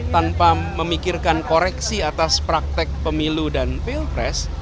tanpa memikirkan koreksi atas praktek pemilu dan pilpres